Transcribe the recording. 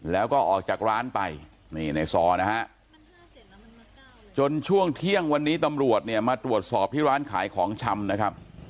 แล้วก็ออกจากร้านไปนี่ในซอนะฮะจนช่วงเที่ยงวันนี้ตำรวจเนี่ยมาตรวจสอบที่ร้านขายของชำนะครับ